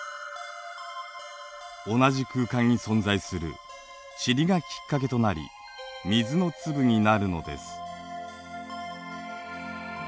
同じ空間に存在するチリがきっかけとなり水の粒になるのです。